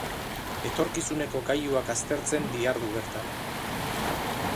Etorkizuneko gailuak aztertzen dihardu bertan.